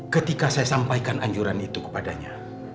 ketika saya sampaikan anjuran itu kepadanya